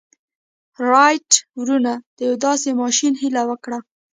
رایټ وروڼو د یوه داسې ماشين هیله وکړه